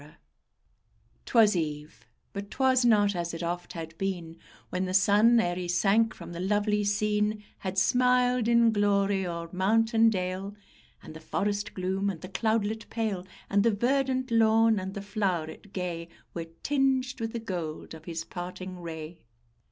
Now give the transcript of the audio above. _ 'Twas eve; but 'twas not as it oft had been, When the sun, ere he sank from the lovely scene, Had smiled in glory o'er mount and dale, And the forest gloom, and the cloudlet pale, And the verdant lawn, and the flow'ret gay, Were tinged with the gold of his parting ray.